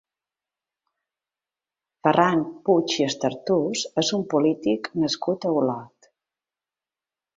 Ferran Puig i Estartús és un polític nascut a Olot.